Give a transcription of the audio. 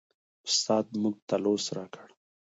استاد موږ ته لوست راکړ.